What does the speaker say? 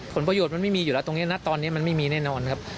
ผลประโยชน์มันไม่มีอยู่แล้วตรงนี้นะตอนนี้มันไม่มีแน่นอนครับ